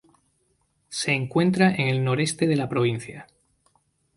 Se encuentra en el noreste de la provincia.